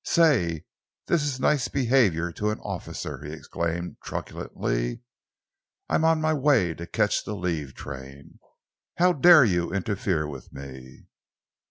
"Say, this is nice behaviour to an officer!" he exclaimed truculently. "I am on my way to catch the leave train. How dare you interfere with me!"